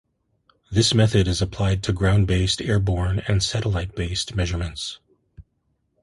This method is applied to ground-based, air-borne and satellite based measurements.